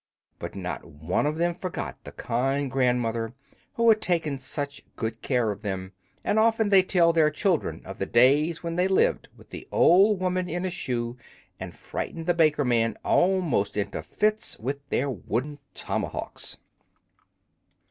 But not one of them forgot the kind grandmother who had taken such good care of them, and often they tell their children of the days when they lived with the old woman in a shoe and frightened the baker man almost into fits with their wooden tomahawks.